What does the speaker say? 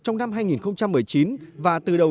trong năm hai nghìn một mươi chín và từ đầu